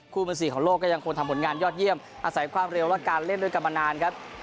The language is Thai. มือสี่ของโลกก็ยังคงทำผลงานยอดเยี่ยมอาศัยความเร็วและการเล่นด้วยกันมานานครับ